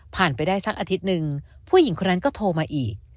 ไปได้สักอาทิตย์หนึ่งผู้หญิงคนนั้นก็โทรมาอีก